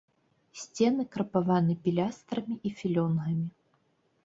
Сцены крапаваны пілястрамі і філёнгамі.